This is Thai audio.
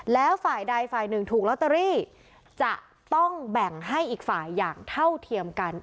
แล้วฝ่ายใดฝ่ายหนึ่งถูกลอตเตอรี่จะต้องแบ่งให้อีกฝ่ายอย่างเท่าเทียมกัน